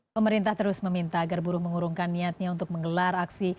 pemerintah terus meminta agar buruh mengurungkan niatnya untuk menggelar aksi